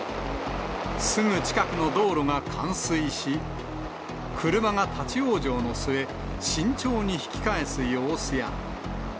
すぐ近くの道路が冠水し、車が立往生の末、慎重に引き返す様子や。